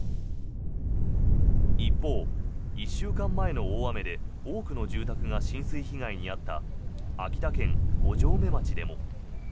一方、１週間前の大雨で多くの住宅が浸水被害に遭った秋田県五城目町でも。